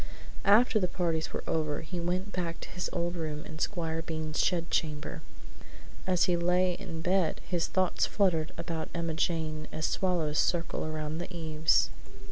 After the parties were over he went back to his old room in Squire Bean's shed chamber. As he lay in bed his thoughts fluttered about Emma Jane as swallows circle around the eaves.